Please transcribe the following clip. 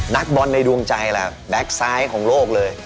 นักบอลในดวงใจละแบคไซด์ของโลกเลย